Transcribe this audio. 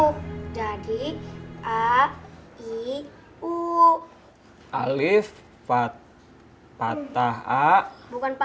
bukan tambah u om